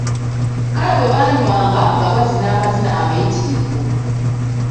Kale bwe baanywanga nga bazina amazina amayittirivu.